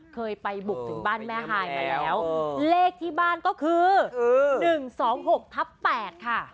เคยไปบุกถึงบ้านแม่มาแล้วเหล็กที่บ้านก็คือ๑๒๖๘